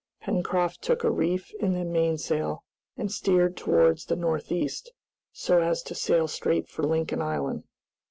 Pencroft took a reef in the mainsail, and steered towards the north east, so as to sail straight for Lincoln Island.